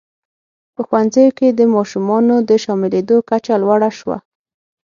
په ښوونځیو کې د ماشومانو د شاملېدو کچه لوړه شوه.